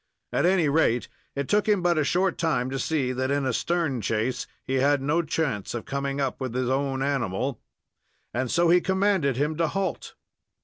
At any rate, it took him but a short time to see that in a stern chase he had no chance of coming up with his own animal, and so he commanded him to halt.